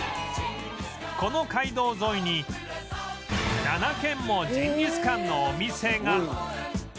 この街道沿いに７軒もジンギスカンのお店が